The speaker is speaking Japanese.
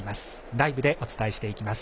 ライブでお伝えしていきます。